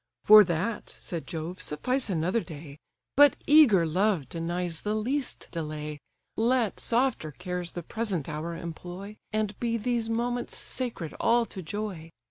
"For that (said Jove) suffice another day! But eager love denies the least delay. Let softer cares the present hour employ, And be these moments sacred all to joy.